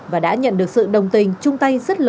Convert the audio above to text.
và đã nhận được sự đồng tình chung tay